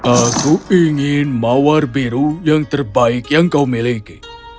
aku ingin mawar biru yang terbaik yang kau miliki